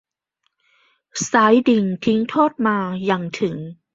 สายดิ่งทิ้งทอดมา หยั่งถึง